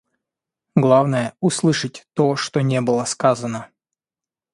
Главное — услышать то, что не было сказано.